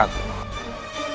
aku akan mencari kekuatanmu